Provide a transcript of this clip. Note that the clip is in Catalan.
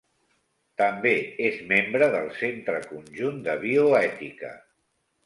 També és membre del Centre Conjunt de Bioètica.